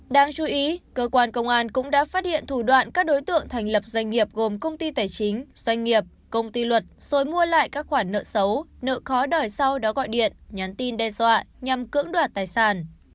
đáng chú ý cơ quan công an cũng đã phát hiện thủ đoạn các đối tượng thành lập doanh nghiệp gồm công ty tài chính doanh nghiệp công ty luật rồi mua lại các khoản nợ xấu nợ khó đòi sau đó gọi điện nhắn tin đe dọa nhằm cưỡng đoạt tài sản